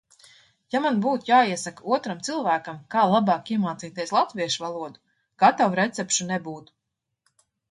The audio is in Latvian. Ja man būtu jāiesaka otram cilvēkam, kā labāk iemācīties latviešu valodu, gatavu recepšu nebūtu.